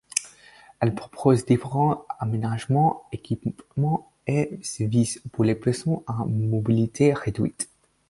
Elle propose différents aménagements, équipements et services pour les personnes à mobilité réduite.